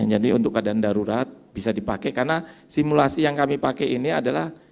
jadi untuk keadaan darurat bisa dipakai karena simulasi yang kami pakai ini adalah